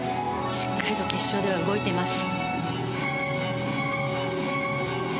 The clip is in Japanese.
しっかりと決勝では動いています。